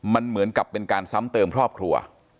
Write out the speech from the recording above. มันเหมือนกับเป็นการซ้ำเติมครอบครัว